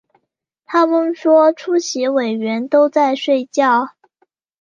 他们说出席委员都在睡觉